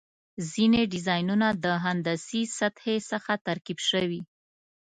ځینې ډیزاینونه د هندسي سطحې څخه ترکیب شوي.